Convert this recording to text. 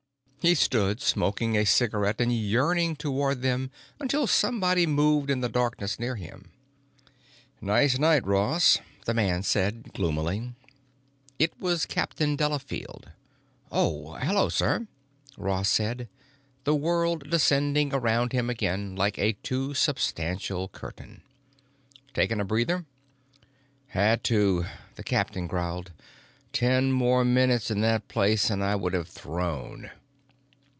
He stood smoking a cigarette and yearning toward them until somebody moved in the darkness near him. "Nice night, Ross," the man said gloomily. It was Captain Delafield. "Oh, hello, sir," Ross said, the world descending around him again like a too substantial curtain. "Taking a breather?" "Had to," the captain growled. "Ten more minutes in that place and I would have thrown.